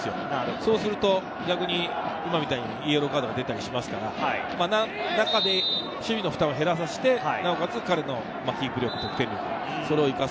そうすると今みたいにイエローカードが出たりしますから、中で守備の負担を減らして、彼のキープ力、得点力を生かす。